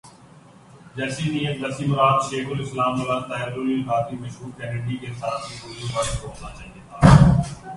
جیسی نیت ویسی مراد ، شیخ الاسلام مولانا طاہرالقادری المشور کینڈیوی کے ساتھ بھی جو ہوا ، وہی ہوا ، جو ہونا چاہئے تھا ۔